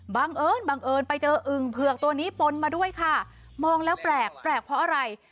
บังเอิญบังเอิญไปเจออึ่งเผือกตัวนี้ปนมาด้วยค่ะมองแล้วแปลกแปลกเพราะอะไร